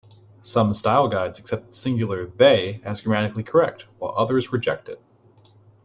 Some style guides accept singular "they" as grammatically correct, while others reject it.